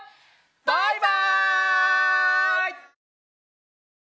バイバイ！